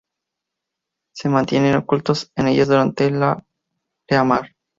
Se mantienen ocultos en ellas durante la pleamar.